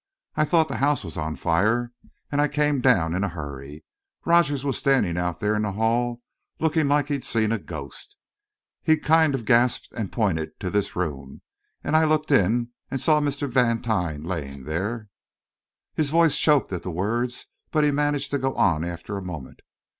I thought the house was on fire, and I come down in a hurry. Rogers was standing out there in the hall, looking like he'd seen a ghost. He kind of gasped and pointed to this room, and I looked in and saw Mr. Vantine laying there " His voice choked at the words, but he managed to go on, after a moment.